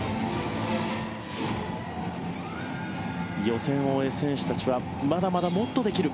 予選を終え、選手たちはまだまだもっとできる。